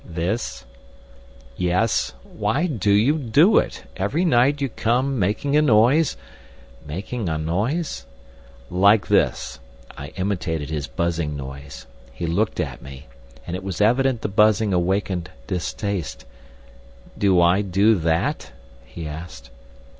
"This?" "Yes. Why do you do it? Every night you come making a noise—" "Making a noise?" "Like this." I imitated his buzzing noise. He looked at me, and it was evident the buzzing awakened distaste. "Do I do that?" he asked.